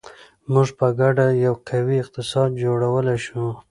موږ په ګډه یو قوي اقتصاد جوړولی شو.